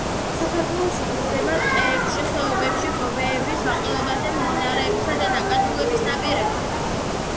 საქართველოში იზრდება ტყეებში, ხეობებში, ღობეების გაყოლებაზე, მდინარეებისა და ნაკადულების ნაპირებზე.